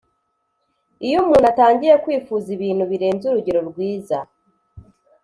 Iyo umuntu atangiye kwifuza ibintu birenze urugero rwiza